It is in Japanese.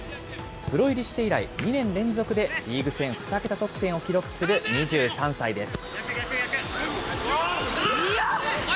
プロ入りして以来、２年連続でリーグ戦２桁得点を記録する２３歳です。